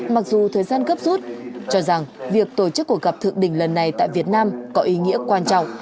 mặc dù thời gian gấp rút cho rằng việc tổ chức cuộc gặp thượng đỉnh lần này tại việt nam có ý nghĩa quan trọng